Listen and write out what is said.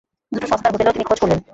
দুটো সস্তার হোটেলেও তিনি খোঁজ করলেন।